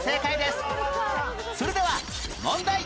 それでは問題